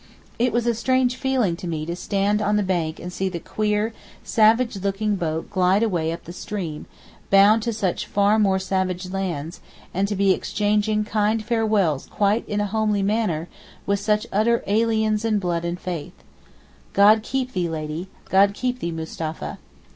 It was a strange feeling to me to stand on the bank and see the queer savage looking boat glide away up the stream, bound to such far more savage lands, and to be exchanging kind farewells quite in a homely manner with such utter 'aliens in blood and faith.' 'God keep thee Lady, God keep thee Mustapha.